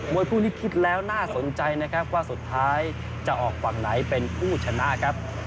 วยคู่นี้คิดแล้วน่าสนใจนะครับว่าสุดท้ายจะออกฝั่งไหนเป็นผู้ชนะครับ